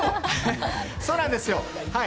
そうなんですよ。